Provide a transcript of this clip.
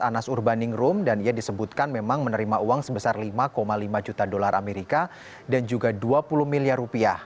anas urbaningrum dan ia disebutkan memang menerima uang sebesar lima lima juta dolar amerika dan juga dua puluh miliar rupiah